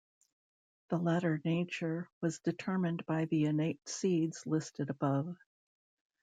The latter nature was determined by the innate seeds listed above.